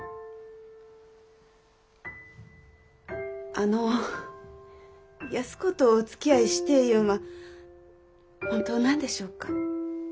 あの安子とおつきあいしてえいうんは本当なんでしょうか？